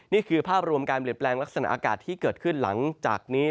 นี่คือภาพรวมการเปลี่ยนแปลงลักษณะอากาศที่เกิดขึ้นหลังจากนี้